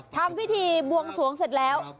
ทำพิธีบวงสวงเสร็จแล้ว